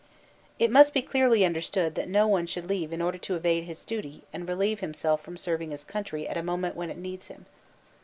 * It must be clearly understood that no one should leave in order to evade his duty and relieve himself from serving his country at a moment when it needs him.